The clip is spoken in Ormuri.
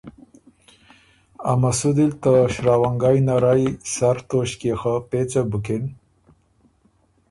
ا مسُودی ل ته شراونګئ نرئ سر توݭکيې خه پېڅه بُکِن